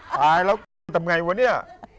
มันไม่ออกอะไรก็มาเนี่ย